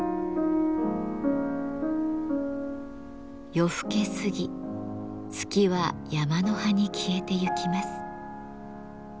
夜更けすぎ月は山の端に消えてゆきます。